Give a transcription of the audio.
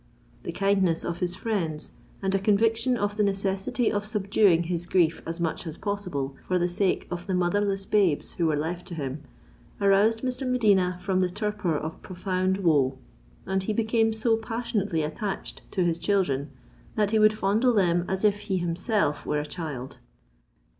The kindness of his friends and a conviction of the necessity of subduing his grief as much as possible, for the sake of the motherless babes who were left to him, aroused Mr. de Medina from the torpor of profound woe; and he became so passionately attached to his children, that he would fondle them as if he himself were a child.